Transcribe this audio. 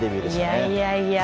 いやいやいや。